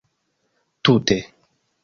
Tute.